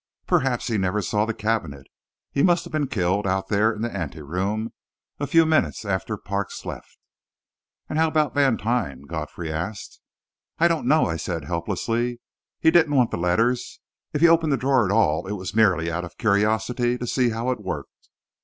Perhaps he never saw the cabinet. He must have been killed out there in the ante room, a few minutes after Parks left." "And how about Vantine?" Godfrey asked. "I don't know," I said, helplessly. "He didn't want the letters if he opened the drawer at all, it was merely out of curiosity to see how it worked.